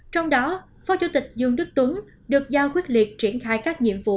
trong đó phó chủ tịch dương đức tuấn được giao quyết liệt triển khai các nhiệm vụ